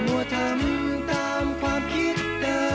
ขอบคุณมากเลยค่ะ